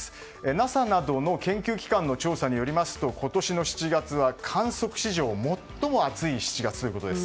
ＮＡＳＡなどの研究機関の調査によりますと今年の７月は観測史上最も暑い７月ということです。